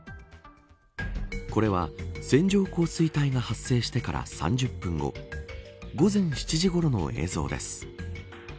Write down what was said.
これは線状降水帯が発生してから３０分後午前７時ごろの映像です。